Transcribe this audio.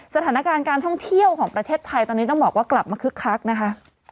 สถานการณ์การท่องเที่ยวของประเทศไทยตอนนี้ต้องบอกว่ากลับมาคึกคักนะคะ